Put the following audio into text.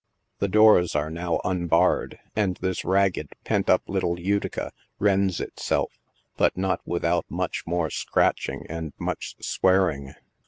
The doors are now unbarred, and this ragged " pent up little Utica" rends itself, but not without much more scratching and much swearing.